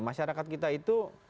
masyarakat kita itu